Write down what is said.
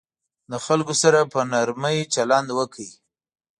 له خلکو سره په نرمي چلند وکړئ.